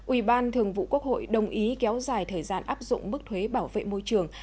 ủy ban thường vụ quốc hội đồng ý kéo dài thời gian áp dụng mức thuế bảo vệ môi trường